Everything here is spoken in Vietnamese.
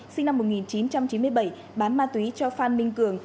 sinh năm một nghìn chín trăm chín mươi bảy bán ma túy cho phan minh cường